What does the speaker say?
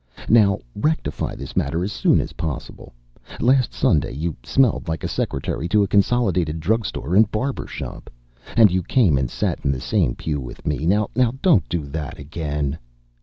Now, rectify this matter as soon as possible; last Sunday you smelled like a secretary to a consolidated drug store and barber shop. And you came and sat in the same pew with me; now don't do that again.